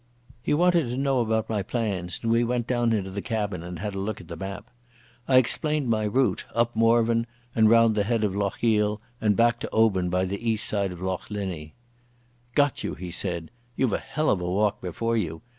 He wanted to know about my plans, and we went down into the cabin and had a look at the map. I explained my route, up Morvern and round the head of Lochiel, and back to Oban by the east side of Loch Linnhe. "Got you," he said. "You've a hell of a walk before you.